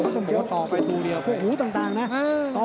โอ้โหแดงโชว์อีกเลยเดี๋ยวดูผู้ดอลก่อน